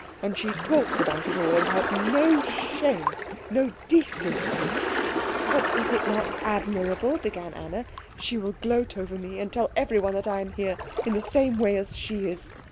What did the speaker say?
And she talks about it all, and has no shame, no decency " "But is it not admirable " began Anna. "She will gloat over me, and tell everyone that I am here in the same way as she is.